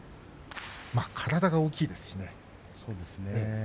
体が大きいですよね。